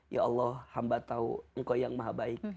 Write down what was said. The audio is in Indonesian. ya allah hamba tahu engkau yang maha baik